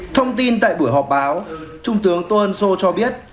thông tin tại buổi họp báo trung tướng tô ân sô cho biết